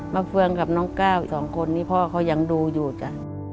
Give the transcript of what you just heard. เฟืองกับน้องก้าวอีกสองคนนี้พ่อเขายังดูอยู่จ้ะ